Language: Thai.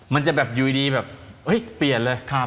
มันจะแบบอยู่ดีแบบเปลี่ยนเลย